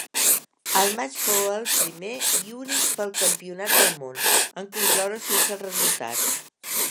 El matx fou el primer, i únic pel campionat del món, en concloure sense resultat.